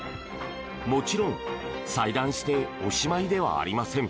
もちろん、裁断しておしまいではありません。